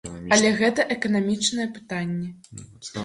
Але гэта эканамічныя пытанні.